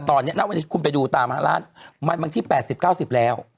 แต่ตอนเนี้ยน่าว่าคุณไปดูตามร้านมันมันที่แปดสิบเก้าสิบแล้ว